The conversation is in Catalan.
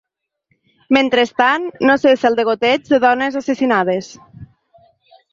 Mentrestant, no cessa el degoteig de dones assassinades.